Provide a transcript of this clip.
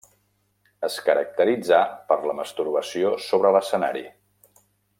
Es caracteritzà per la masturbació sobre l'escenari.